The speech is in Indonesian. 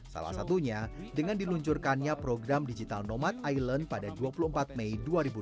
salah satunya dengan diluncurkannya program digital nomad island pada dua puluh empat mei dua ribu dua puluh